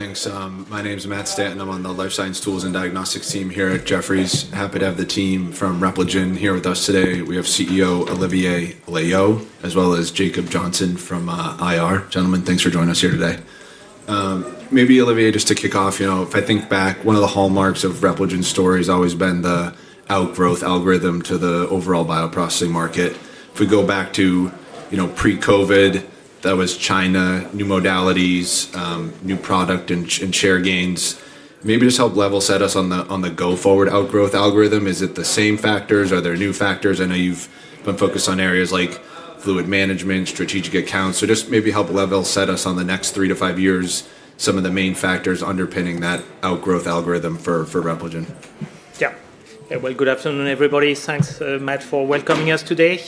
Thanks. My name's Matt Stanton. I'm on the Life Science Tools and Diagnostics team here at Jefferies. Happy to have the team from Repligen here with us today. We have CEO Olivier Loeillot, as well as Jacob Johnson from IR. Gentlemen, thanks for joining us here today. Maybe, Olivier, just to kick off, if I think back, one of the hallmarks of Repligen's story has always been the outgrowth algorithm to the overall bioprocessing market. If we go back to pre-COVID, that was China, new modalities, new product, and share gains. Maybe just help level set us on the go-forward outgrowth algorithm. Is it the same factors? Are there new factors? I know you've been focused on areas like fluid management, strategic accounts. So just maybe help level set us on the next three to five years, some of the main factors underpinning that outgrowth algorithm for Repligen. Yeah. Good afternoon, everybody. Thanks, Matt, for welcoming us today.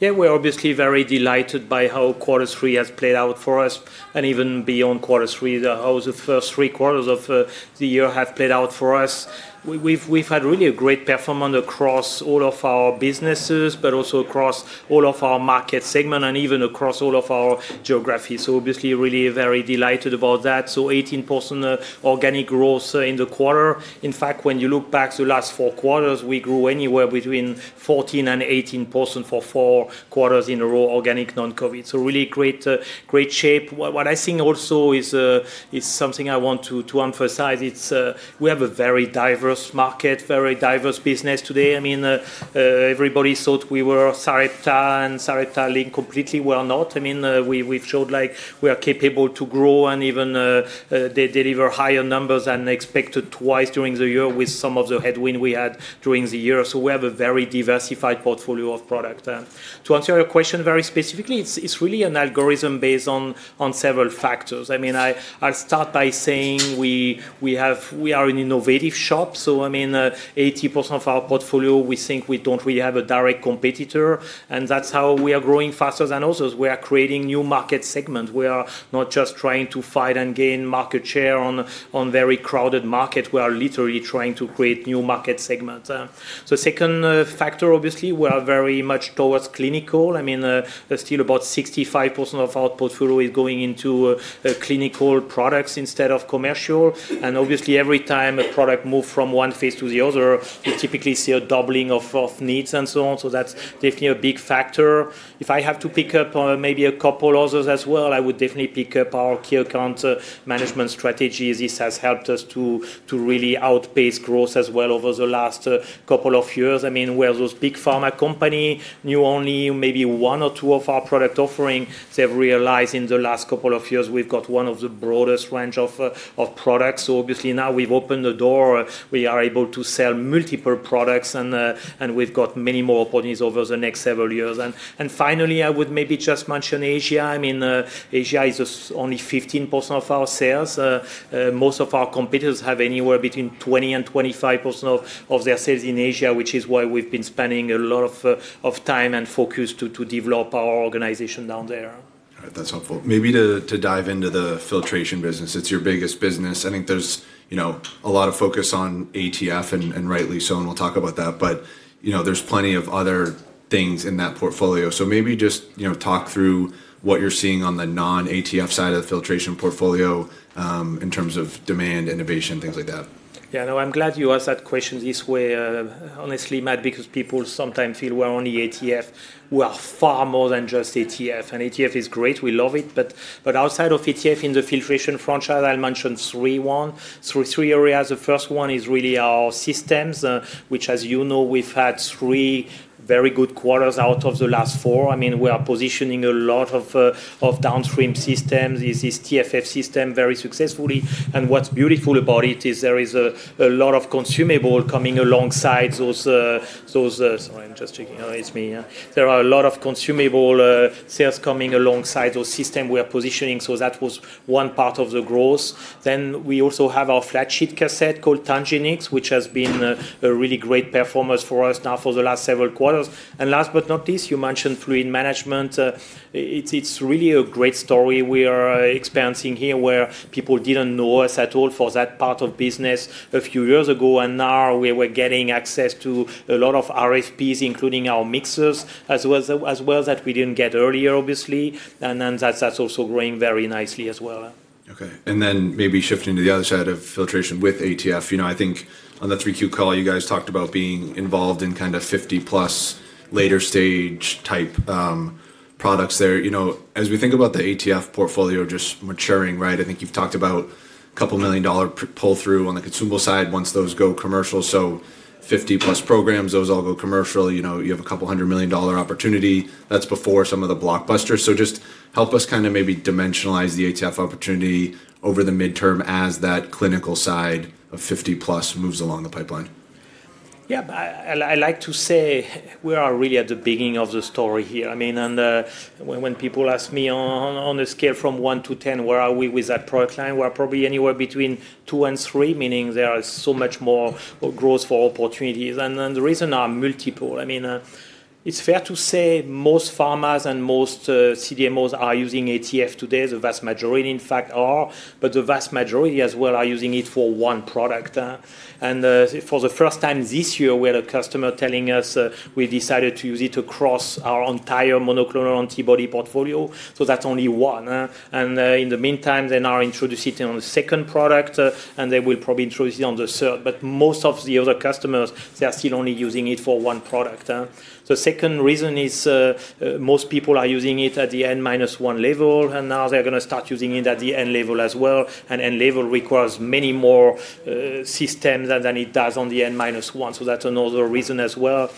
Yeah, we're obviously very delighted by how quarter three has played out for us, and even beyond quarter three, how the first three quarters of the year have played out for us. We've had really a great performance across all of our businesses, but also across all of our market segment, and even across all of our geography. Obviously, really very delighted about that. 18% organic growth in the quarter. In fact, when you look back to the last four quarters, we grew anywhere between 14%-18% for four quarters in a row, organic, non-COVID. Really great shape. What I think also is something I want to emphasize, it's we have a very diverse market, very diverse business today. I mean, everybody thought we were Sarepta and Sarepta-Link completely were not. I mean, we've showed we are capable to grow and even deliver higher numbers than expected twice during the year with some of the headwind we had during the year. We have a very diversified portfolio of products. To answer your question very specifically, it's really an algorithm based on several factors. I mean, I'll start by saying we are an innovative shop. I mean, 80% of our portfolio, we think we don't really have a direct competitor. That's how we are growing faster than others. We are creating new market segments. We are not just trying to fight and gain market share on very crowded markets. We are literally trying to create new market segments. Second factor, obviously, we are very much towards clinical. I mean, still about 65% of our portfolio is going into clinical products instead of commercial. Obviously, every time a product moves from one phase to the other, you typically see a doubling of needs and so on. That is definitely a big factor. If I have to pick up maybe a couple others as well, I would definitely pick up our key account management strategies. This has helped us to really outpace growth as well over the last couple of years. I mean, where those big pharma companies knew only maybe one or two of our product offerings, they have realized in the last couple of years we have got one of the broadest ranges of products. Obviously now we have opened the door. We are able to sell multiple products, and we have got many more opportunities over the next several years. Finally, I would maybe just mention Asia. I mean, Asia is only 15% of our sales. Most of our competitors have anywhere between 20% and 25% of their sales in Asia, which is why we've been spending a lot of time and focus to develop our organization down there. All right. That's helpful. Maybe to dive into the filtration business. It's your biggest business. I think there's a lot of focus on ATF, and rightly so, and we'll talk about that. But there's plenty of other things in that portfolio. Maybe just talk through what you're seeing on the non-ATF side of the filtration portfolio in terms of demand, innovation, things like that. Yeah. No, I'm glad you asked that question this way. Honestly, Matt, because people sometimes feel we're only ATF. We are far more than just ATF. ATF is great. We love it. Outside of ATF in the filtration franchise, I'll mention three areas. The first one is really our systems, which, as you know, we've had three very good quarters out of the last four. I mean, we are positioning a lot of downstream systems. This TFF system very successfully. What's beautiful about it is there is a lot of consumable coming alongside those—sorry, I'm just checking. It's me. There are a lot of consumable sales coming alongside those systems we are positioning. That was one part of the growth. We also have our flat sheet cassette called TangenX, which has been a really great performance for us now for the last several quarters. Last but not least, you mentioned fluid management. It is really a great story we are experiencing here where people did not know us at all for that part of business a few years ago. Now we are getting access to a lot of RFPs, including our mixers, as well as that we did not get earlier, obviously. That is also growing very nicely as well. Okay. And then maybe shifting to the other side of filtration with ATF, I think on the 3Q call, you guys talked about being involved in kind of 50+ later-stage type products there. As we think about the ATF portfolio just maturing, right, I think you've talked about a couple million dollar pull-through on the consumable side once those go commercial. So 50+ programs, those all go commercial. You have a couple hundred million dollar opportunity. That's before some of the blockbusters. Just help us kind of maybe dimensionalize the ATF opportunity over the midterm as that clinical side of 50+ moves along the pipeline. Yeah. I like to say we are really at the beginning of the story here. I mean, and when people ask me on a scale from one to 10, where are we with that product line? We're probably anywhere between two and three, meaning there is so much more growth for opportunities. The reason are multiple. I mean, it's fair to say most pharmas and most CDMOs are using ATF today. The vast majority, in fact, are. The vast majority as well are using it for one product. For the first time this year, we had a customer telling us we decided to use it across our entire monoclonal antibody portfolio. That's only one. In the meantime, they now introduced it on the second product, and they will probably introduce it on the third. Most of the other customers, they are still only using it for one product. The second reason is most people are using it at the N-1 level, and now they're going to start using it at the N-level as well. N-level requires many more systems than it does on the N-1. That's another reason as well.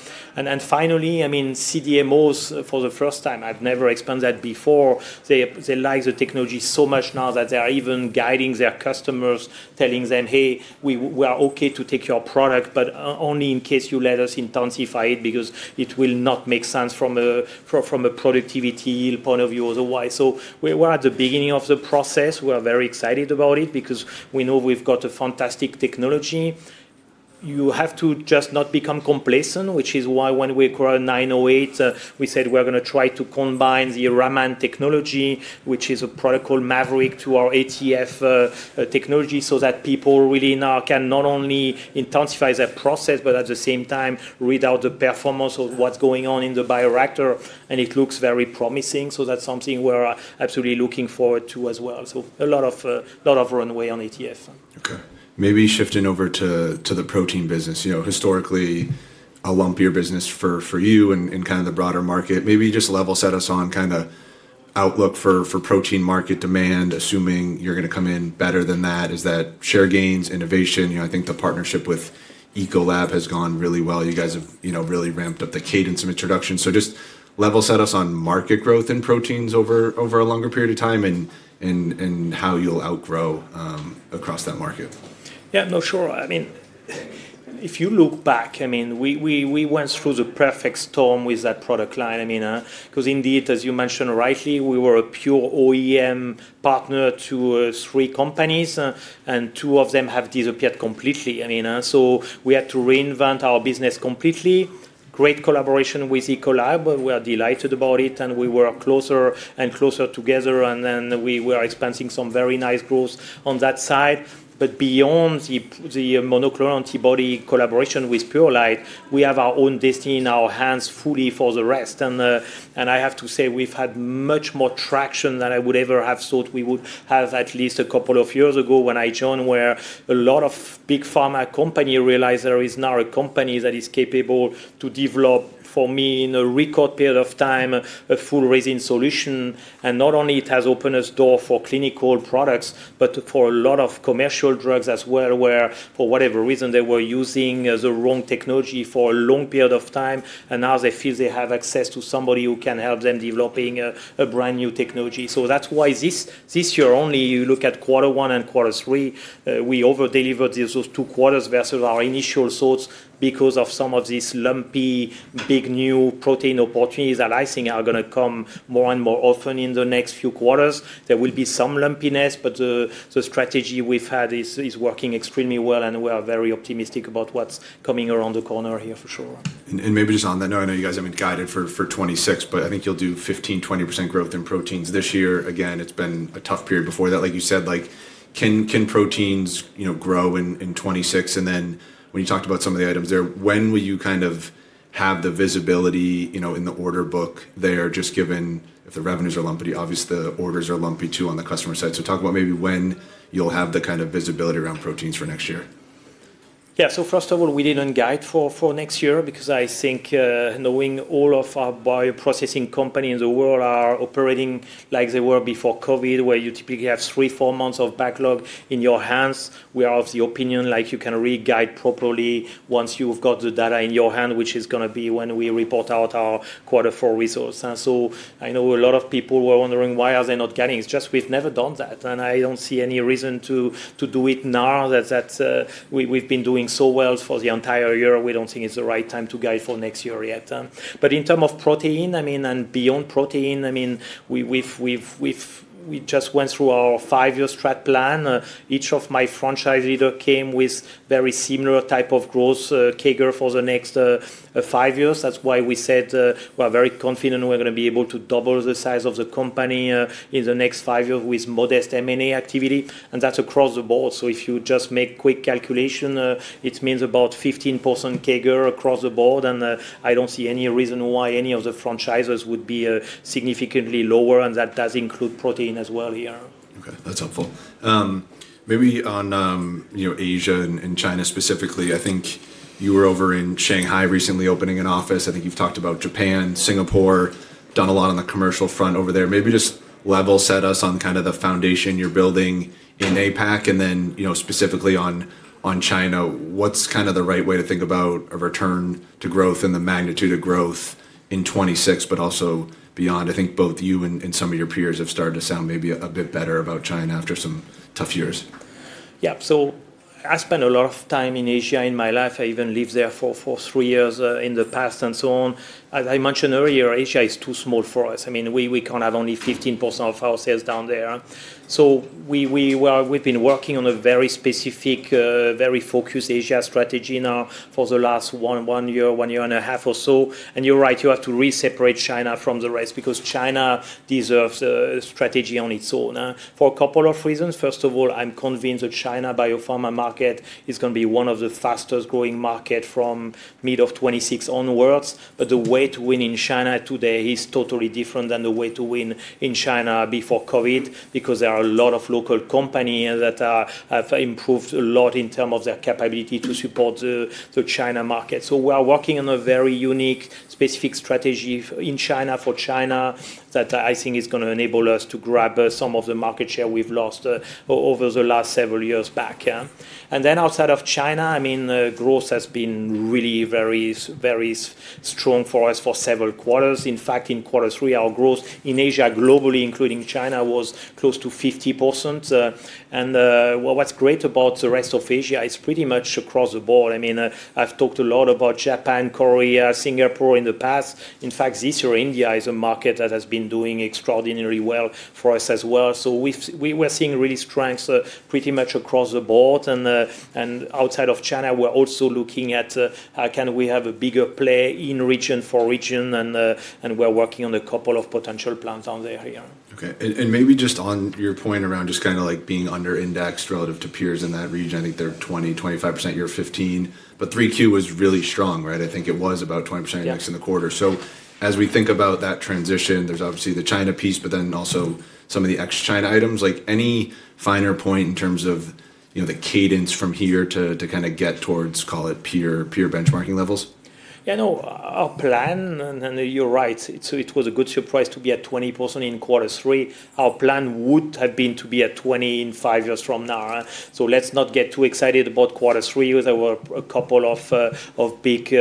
Finally, I mean, CDMOs for the first time, I've never explained that before. They like the technology so much now that they're even guiding their customers, telling them, "Hey, we are okay to take your product, but only in case you let us intensify it because it will not make sense from a productivity point of view otherwise." We're at the beginning of the process. We're very excited about it because we know we've got a fantastic technology. You have to just not become complacent, which is why when we acquired 908, we said we're going to try to combine the Raman technology, which is a product called MAVERICK, to our ATF technology so that people really now can not only intensify their process, but at the same time read out the performance of what's going on in the bioreactor. It looks very promising. That is something we're absolutely looking forward to as well. A lot of runway on ATF. Okay. Maybe shifting over to the protein business. Historically, a lumpier business for you in kind of the broader market. Maybe just level set us on kind of outlook for protein market demand, assuming you're going to come in better than that. Is that share gains, innovation? I think the partnership with Ecolab has gone really well. You guys have really ramped up the cadence of introduction. Just level set us on market growth in proteins over a longer period of time and how you'll outgrow across that market. Yeah. No, sure. I mean, if you look back, I mean, we went through the perfect storm with that product line. I mean, because indeed, as you mentioned rightly, we were a pure OEM partner to three companies, and two of them have disappeared completely. I mean, so we had to reinvent our business completely. Great collaboration with Ecolab. We are delighted about it, and we were closer and closer together. We were expecting some very nice growth on that side. Beyond the monoclonal antibody collaboration with Purolite, we have our own destiny in our hands fully for the rest. I have to say we've had much more traction than I would ever have thought we would have at least a couple of years ago when I joined where a lot of big pharma companies realized there is now a company that is capable to develop, for me, in a record period of time, a full resin solution. Not only has it opened a door for clinical products, but for a lot of commercial drugs as well where, for whatever reason, they were using the wrong technology for a long period of time, and now they feel they have access to somebody who can help them develop a brand new technology. That's why this year only, you look at quarter one and quarter three, we overdelivered those two quarters versus our initial thoughts because of some of these lumpy big new protein opportunities that I think are going to come more and more often in the next few quarters. There will be some lumpiness, but the strategy we've had is working extremely well, and we are very optimistic about what's coming around the corner here for sure. Maybe just on that note, I know you guys haven't guided for 2026, but I think you'll do 15%-20% growth in proteins this year. Again, it's been a tough period before that. Like you said, can proteins grow in 2026? And then when you talked about some of the items there, when will you kind of have the visibility in the order book there just given if the revenues are lumpy, obviously the orders are lumpy too on the customer side. Talk about maybe when you'll have the kind of visibility around proteins for next year. Yeah. First of all, we didn't guide for next year because I think knowing all of our bioprocessing companies in the world are operating like they were before COVID, where you typically have three, four months of backlog in your hands, we are of the opinion you can re-guide properly once you've got the data in your hand, which is going to be when we report out our quarter four results. I know a lot of people were wondering, why are they not guiding? It's just we've never done that. I don't see any reason to do it now that we've been doing so well for the entire year. We don't think it's the right time to guide for next year yet. In terms of protein, I mean, and beyond protein, I mean, we just went through our five-year strat plan. Each of my franchises came with very similar type of growth CAGR for the next five years. That is why we said we are very confident we are going to be able to double the size of the company in the next five years with modest M&A activity. That is across the board. If you just make a quick calculation, it means about 15% CAGR across the board. I do not see any reason why any of the franchises would be significantly lower. That does include protein as well here. Okay. That's helpful. Maybe on Asia and China specifically, I think you were over in Shanghai recently opening an office. I think you've talked about Japan, Singapore, done a lot on the commercial front over there. Maybe just level set us on kind of the foundation you're building in APAC and then specifically on China. What's kind of the right way to think about a return to growth and the magnitude of growth in 2026, but also beyond? I think both you and some of your peers have started to sound maybe a bit better about China after some tough years. Yeah. I spent a lot of time in Asia in my life. I even lived there for three years in the past and so on. As I mentioned earlier, Asia is too small for us. I mean, we can't have only 15% of our sales down there. We have been working on a very specific, very focused Asia strategy now for the last one year, one year and a half or so. You're right, you have to really separate China from the rest because China deserves a strategy on its own. For a couple of reasons. First of all, I'm convinced that the China biopharma market is going to be one of the fastest growing markets from mid of 2026 onwards. The way to win in China today is totally different than the way to win in China before COVID because there are a lot of local companies that have improved a lot in terms of their capability to support the China market. We are working on a very unique specific strategy in China for China that I think is going to enable us to grab some of the market share we've lost over the last several years back. Outside of China, I mean, growth has been really very strong for us for several quarters. In fact, in quarter three, our growth in Asia globally, including China, was close to 50%. What's great about the rest of Asia is pretty much across the board. I mean, I've talked a lot about Japan, Korea, Singapore in the past. In fact, this year, India is a market that has been doing extraordinarily well for us as well. We are seeing really strength pretty much across the board. Outside of China, we are also looking at can we have a bigger play in region for region. We are working on a couple of potential plans down there here. Okay. Maybe just on your point around just kind of being under-indexed relative to peers in that region, I think they are 20%-25%, you are 15%. 3Q was really strong, right? I think it was about 20% indexed in the quarter. As we think about that transition, there is obviously the China piece, but then also some of the ex-China items. Any finer point in terms of the cadence from here to kind of get towards, call it, peer benchmarking levels? Yeah. No, our plan, and you're right, it was a good surprise to be at 20% in quarter three. Our plan would have been to be at 20% in five years from now. Let's not get too excited about quarter three. There were a couple of big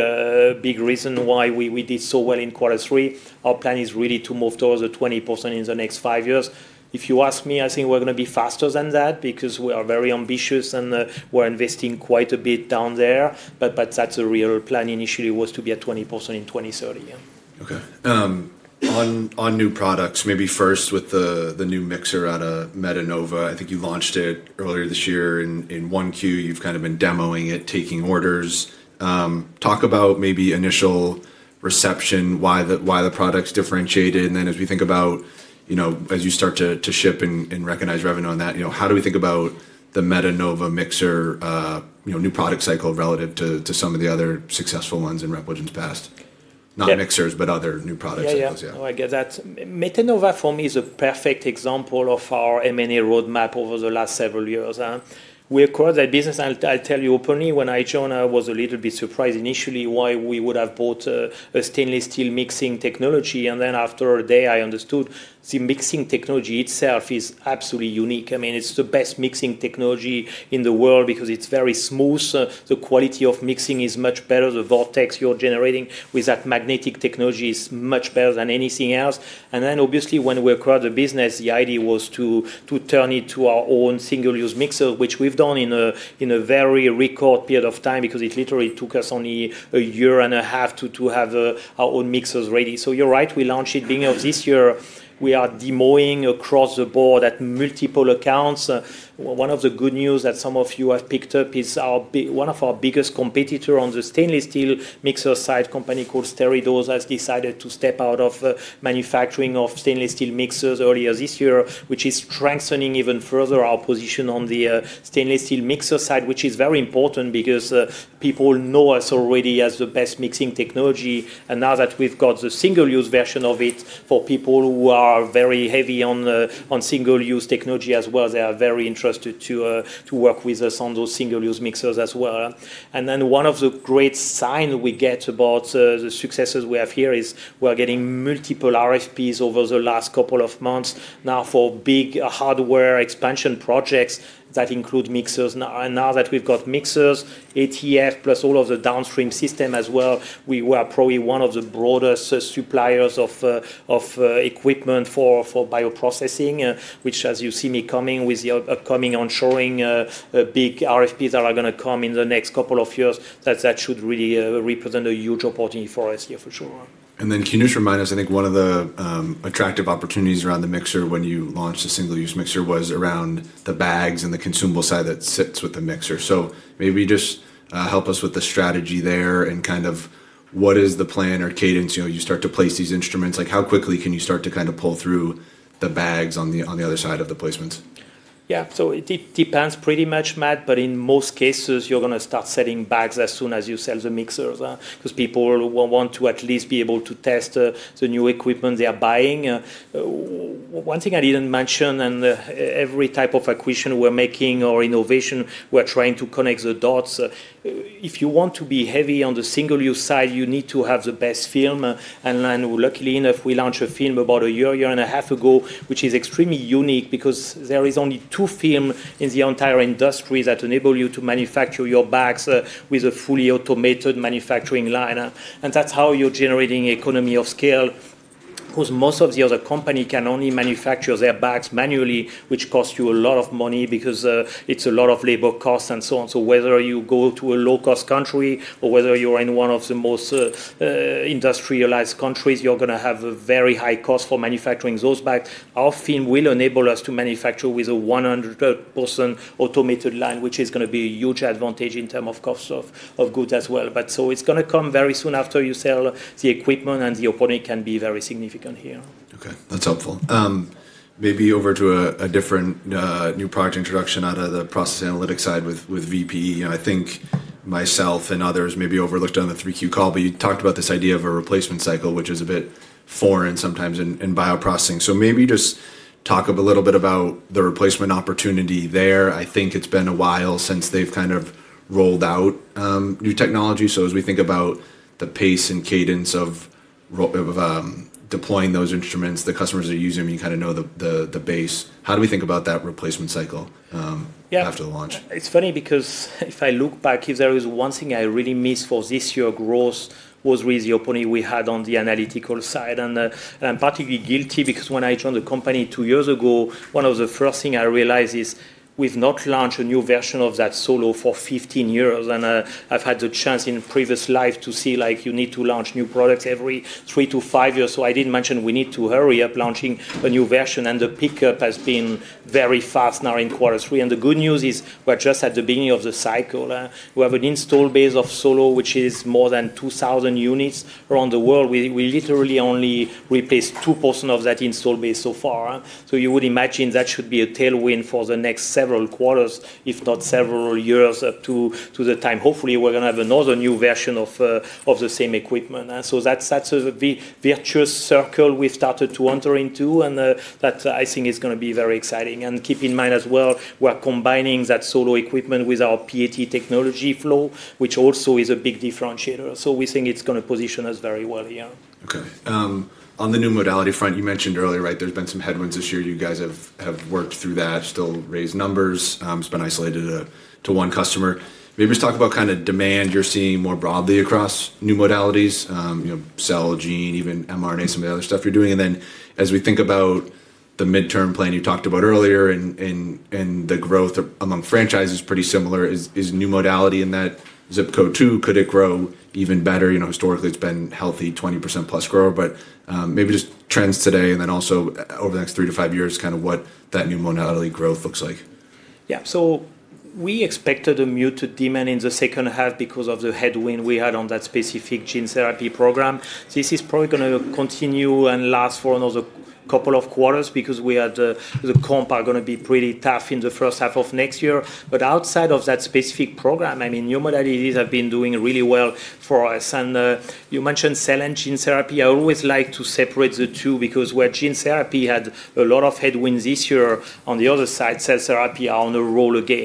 reasons why we did so well in quarter three. Our plan is really to move towards the 20% in the next five years. If you ask me, I think we're going to be faster than that because we are very ambitious and we're investing quite a bit down there. That's a real plan. Initially, it was to be at 20% in 2030. Okay. On new products, maybe first with the new mixer out of Medinova. I think you launched it earlier this year in 1Q. You've kind of been demoing it, taking orders. Talk about maybe initial reception, why the product's differentiated. As we think about as you start to ship and recognize revenue on that, how do we think about the Medinova mixer new product cycle relative to some of the other successful ones in Repligen's past? Not mixers, but other new products. Yeah. Medinova for me is a perfect example of our M&A roadmap over the last several years. We acquired that business, and I'll tell you openly, when I joined, I was a little bit surprised initially why we would have bought a stainless steel mixing technology. I mean, it's the best mixing technology in the world because it's very smooth. The quality of mixing is much better. The vortex you're generating with that magnetic technology is much better than anything else. Obviously, when we acquired the business, the idea was to turn it to our own single-use mixer, which we've done in a very record period of time because it literally took us only a year and a half to have our own mixers ready. You're right, we launched it. Beginning of this year, we are demoing across the board at multiple accounts. One of the good news that some of you have picked up is one of our biggest competitors on the stainless steel mixer side, a company called Sartorius, has decided to step out of manufacturing of stainless steel mixers earlier this year, which is strengthening even further our position on the stainless steel mixer side, which is very important because people know us already as the best mixing technology. Now that we've got the single-use version of it for people who are very heavy on single-use technology as well, they are very interested to work with us on those single-use mixers as well. One of the great signs we get about the successes we have here is we're getting multiple RFPs over the last couple of months now for big hardware expansion projects that include mixers. Now that we've got mixers, ATF, plus all of the downstream system as well, we are probably one of the broadest suppliers of equipment for bioprocessing, which, as you see me coming with the upcoming onshoring, big RFPs that are going to come in the next couple of years, that should really represent a huge opportunity for us here for sure. Can you just remind us, I think one of the attractive opportunities around the mixer when you launched a single-use mixer was around the bags and the consumable side that sits with the mixer. Maybe just help us with the strategy there and kind of what is the plan or cadence? You start to place these instruments. How quickly can you start to kind of pull through the bags on the other side of the placements? Yeah. It depends pretty much, Matt, but in most cases, you're going to start selling bags as soon as you sell the mixers because people want to at least be able to test the new equipment they are buying. One thing I didn't mention, in every type of acquisition we're making or innovation, we're trying to connect the dots. If you want to be heavy on the single-use side, you need to have the best film. Luckily enough, we launched a film about a year, year and a half ago, which is extremely unique because there are only two films in the entire industry that enable you to manufacture your bags with a fully automated manufacturing line. That is how you're generating economy of scale because most of the other companies can only manufacture their bags manually, which costs you a lot of money because it's a lot of labor costs and so on. Whether you go to a low-cost country or whether you're in one of the most industrialized countries, you're going to have a very high cost for manufacturing those bags. Our film will enable us to manufacture with a 100% automated line, which is going to be a huge advantage in terms of cost of goods as well. It is going to come very soon after you sell the equipment, and the opportunity can be very significant here. Okay. That's helpful. Maybe over to a different new product introduction out of the process analytics side with VP. I think myself and others maybe overlooked on the 3Q call, but you talked about this idea of a replacement cycle, which is a bit foreign sometimes in bioprocessing. Maybe just talk a little bit about the replacement opportunity there. I think it's been a while since they've kind of rolled out new technology. As we think about the pace and cadence of deploying those instruments, the customers are using them, you kind of know the base. How do we think about that replacement cycle after the launch? It's funny because if I look back, if there is one thing I really miss for this year's growth was really the opportunity we had on the analytical side. I'm particularly guilty because when I joined the company two years ago, one of the first things I realized is we've not launched a new version of that Solo for 15 years. I've had the chance in previous lives to see you need to launch new products every three to five years. I didn't mention we need to hurry up launching a new version. The pickup has been very fast now in quarter three. The good news is we're just at the beginning of the cycle. We have an install base of Solo, which is more than 2,000 units around the world. We literally only replaced 2% of that install base so far. You would imagine that should be a tailwind for the next several quarters, if not several years, up to the time. Hopefully, we're going to have another new version of the same equipment. That is a virtuous circle we've started to enter into. That, I think, is going to be very exciting. Keep in mind as well, we're combining that Solo equipment with our PAT technology flow, which also is a big differentiator. We think it's going to position us very well here. Okay. On the new modality front, you mentioned earlier, right, there's been some headwinds this year. You guys have worked through that, still raised numbers. It's been isolated to one customer. Maybe just talk about kind of demand you're seeing more broadly across new modalities, cell gene, even mRNA, some of the other stuff you're doing. As we think about the midterm plan you talked about earlier and the growth among franchises is pretty similar, is new modality in that zip code too? Could it grow even better? Historically, it's been healthy 20%+ growth, but maybe just trends today and then also over the next three to five years, kind of what that new modality growth looks like. Yeah. We expected a muted demand in the second half because of the headwind we had on that specific gene therapy program. This is probably going to continue and last for another couple of quarters because the comp are going to be pretty tough in the first half of next year. Outside of that specific program, I mean, new modalities have been doing really well for us. You mentioned cell and gene therapy. I always like to separate the two because where gene therapy had a lot of headwinds this year, on the other side, cell therapy is on the roll again.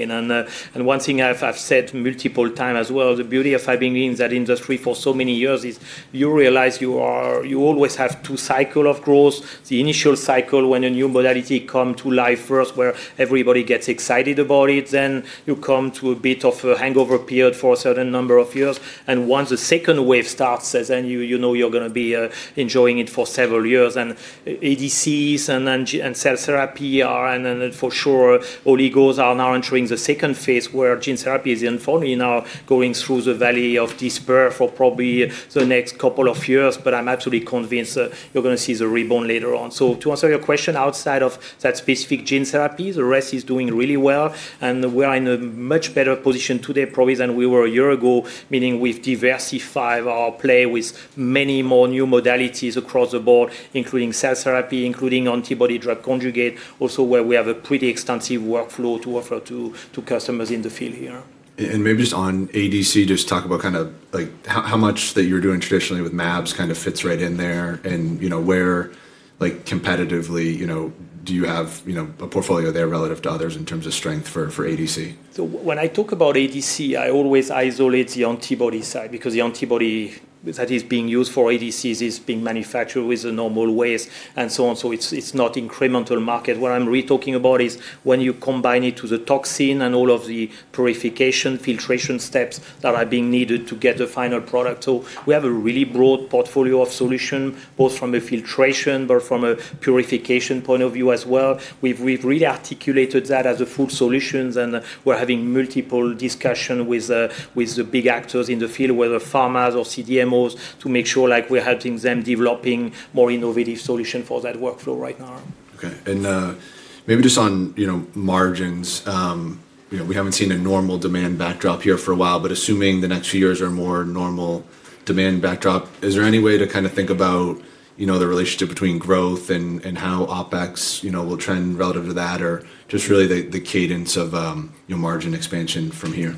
One thing I've said multiple times as well, the beauty of having been in that industry for so many years is you realize you always have two cycles of growth. The initial cycle, when a new modality comes to life first, where everybody gets excited about it, then you come to a bit of a hangover period for a certain number of years. Once the second wave starts, you know you're going to be enjoying it for several years. ADCs and cell therapy are, and for sure, oligos are now entering the second phase where gene therapy is informally now going through the valley of disbursement for probably the next couple of years. I'm absolutely convinced you're going to see the rebound later on. To answer your question, outside of that specific gene therapy, the rest is doing really well. We are in a much better position today probably than we were a year ago, meaning we have diversified our play with many more new modalities across the board, including cell therapy, including antibody drug conjugate, also where we have a pretty extensive workflow to offer to customers in the field here. Maybe just on ADC, just talk about kind of how much that you're doing traditionally with MABS kind of fits right in there and where competitively do you have a portfolio there relative to others in terms of strength for ADC? When I talk about ADC, I always isolate the antibody side because the antibody that is being used for ADCs is being manufactured with the normal ways and so on. It is not incremental market. What I am really talking about is when you combine it to the toxin and all of the purification, filtration steps that are being needed to get the final product. We have a really broad portfolio of solutions, both from a filtration but from a purification point of view as well. We have really articulated that as a full solution. We are having multiple discussions with the big actors in the field, whether pharmas or CDMOs, to make sure we are helping them develop more innovative solutions for that workflow right now. Okay. Maybe just on margins, we haven't seen a normal demand backdrop here for a while, but assuming the next few years are more normal demand backdrop, is there any way to kind of think about the relationship between growth and how OpEx will trend relative to that, or just really the cadence of margin expansion from here?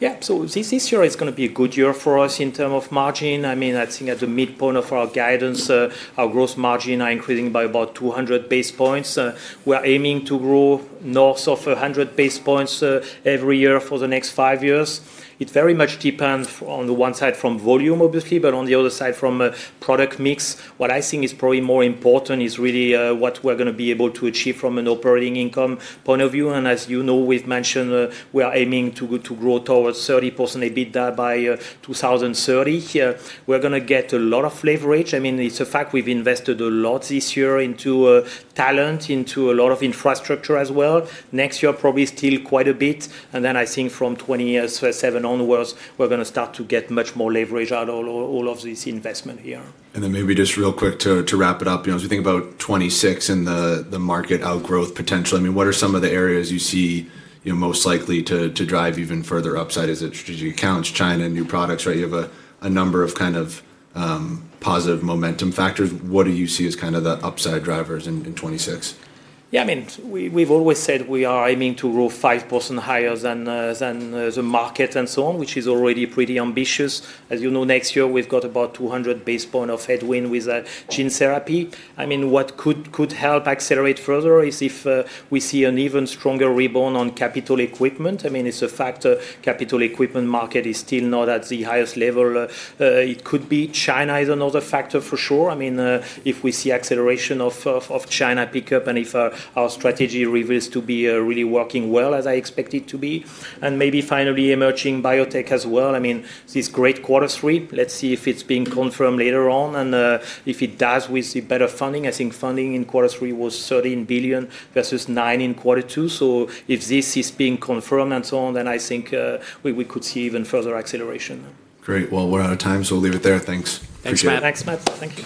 Yeah. This year is going to be a good year for us in terms of margin. I mean, I think at the midpoint of our guidance, our gross margin is increasing by about 200 basis points. We're aiming to grow north of 100 basis points every year for the next five years. It very much depends on the one side from volume, obviously, but on the other side from product mix. What I think is probably more important is really what we're going to be able to achieve from an operating income point of view. As you know, we've mentioned we are aiming to grow towards 30% EBITDA by 2030. We're going to get a lot of leverage. I mean, it's a fact we've invested a lot this year into talent, into a lot of infrastructure as well. Next year, probably still quite a bit. I think from 2027 onwards, we're going to start to get much more leverage out of all of this investment here. Maybe just real quick to wrap it up, as we think about 2026 and the market outgrowth potential, I mean, what are some of the areas you see most likely to drive even further upside? Is it strategic accounts, China, new products, right? You have a number of kind of positive momentum factors. What do you see as kind of the upside drivers in 2026? Yeah. I mean, we've always said we are aiming to grow 5% higher than the market and so on, which is already pretty ambitious. As you know, next year, we've got about 200 basis points of headwind with gene therapy. I mean, what could help accelerate further is if we see an even stronger rebound on capital equipment. I mean, it's a fact capital equipment market is still not at the highest level it could be. China is another factor for sure. I mean, if we see acceleration of China pickup and if our strategy reveals to be really working well as I expect it to be. Maybe finally emerging biotech as well. I mean, this great quarter three, let's see if it's being confirmed later on. If it does with better funding, I think funding in quarter three was $13 billion versus $9 billion in quarter two. If this is being confirmed and so on, then I think we could see even further acceleration. Great. We're out of time, so we'll leave it there. Thanks. Thanks, Matt.